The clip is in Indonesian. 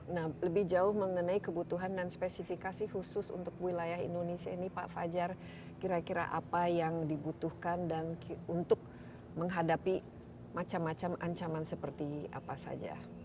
nah lebih jauh mengenai kebutuhan dan spesifikasi khusus untuk wilayah indonesia ini pak fajar kira kira apa yang dibutuhkan dan untuk menghadapi macam macam ancaman seperti apa saja